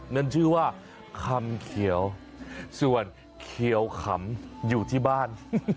นั่นชื่อว่าคำเขียวส่วนเขียวขำอยู่ที่บ้าน